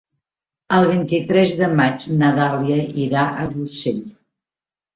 El vint-i-tres de maig na Dàlia irà a Rossell.